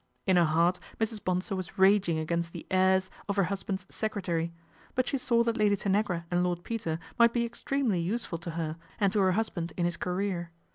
In her heart Mrs. Bonsor was raging against the " airs " of her husband's secretary ; but she saw that Lady Tanagra and Lord Peter might be extremely useful to her and to her husband in his career.